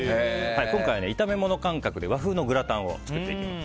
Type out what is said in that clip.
今回は炒め物感覚で和風のグラタンを作っていきます。